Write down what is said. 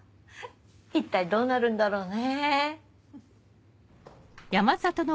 一体どうなるんだろうね。